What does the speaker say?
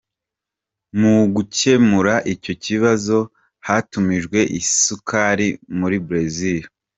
Mu gukemura icyo kibazo hatumijwe isukari muri Brazil .